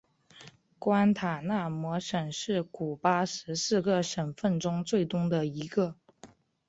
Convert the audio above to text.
关塔那摩省是古巴十四个省份中最东的一个。